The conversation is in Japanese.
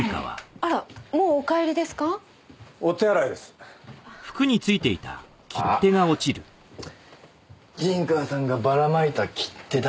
あ陣川さんがばらまいた切手だ。